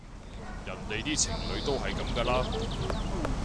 人哋啲情侶都係噉㗎啦